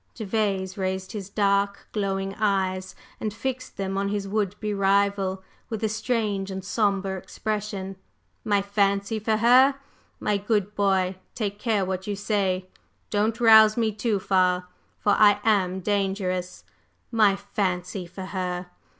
Gervase raised his dark, glowing eyes and fixed them on his would be rival with a strange and sombre expression. "My 'fancy' for her? My good boy, take care what you say! Don't rouse me too far, for I am dangerous! My 'fancy' for her!